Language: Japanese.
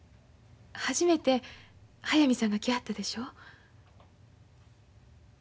初めて速水さんが来はったでしょう？